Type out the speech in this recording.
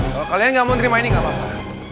kalau kalian nggak mau terima ini gak apa apa